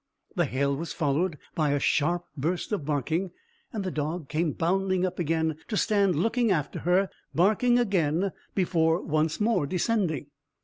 The hail was followed by a sharp burst of barking, and the dog came bounding up again, to stand looking after her, barking again before once more descending.